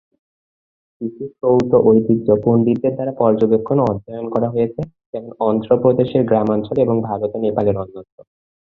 কিছু শ্রৌত ঐতিহ্য পণ্ডিতদের দ্বারা পর্যবেক্ষণ ও অধ্যয়ন করা হয়েছে, যেমন অন্ধ্রপ্রদেশের গ্রামাঞ্চলে এবং ভারত ও নেপালের অন্যত্র।